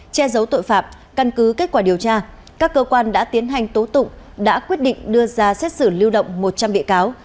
che giấu tội phạm căn cứ kết quả điều tra các cơ quan đã tiến hành tố tụng đã quyết định đưa ra xét xử lưu động một trăm linh bị cáo